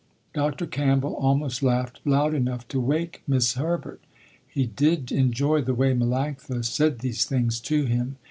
Dr. Campbell almost laughed loud enough to wake 'Mis' Herbert. He did enjoy the way Melanctha said these things to him.